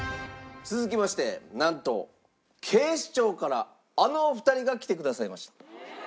続きましてなんと警視庁からあのお二人が来てくださいました。